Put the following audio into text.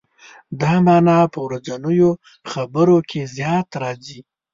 دا معنا په ورځنیو خبرو کې زیات راځي.